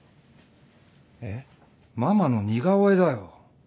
ママの似顔絵だよ。